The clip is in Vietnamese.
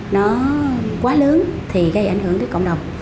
nó quá lớn thì gây ảnh hưởng tới cộng đồng